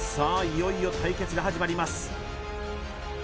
いよいよ対決が始まります